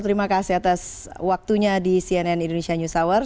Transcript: terima kasih atas waktunya di cnn indonesia news hour